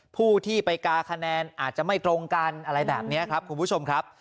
ผู้ที่ไปกาคะแนนอาจจะไม่ตรงกันอะไรแบบนี้ครับคุณผู้ชมครับ